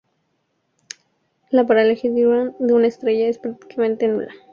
La paralaje diurna de una estrella es prácticamente nula.